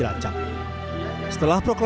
pada saat perang itu